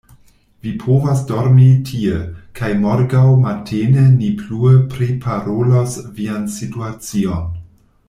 Vi povas dormi tie, kaj morgaŭ matene ni plue priparolos vian situacion.